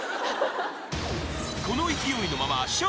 ［この勢いのまま笑